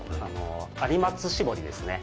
有松絞りですね。